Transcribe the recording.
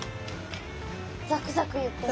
ザクザクいってる。